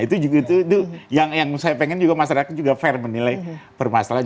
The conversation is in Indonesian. itu juga yang saya ingin masyarakat fair menilai permasalahan